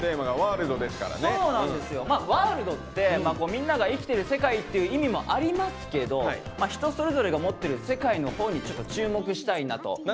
まあワールドってみんなが生きてる世界っていう意味もありますけど人それぞれが持ってる世界のほうにちょっと注目したいなと。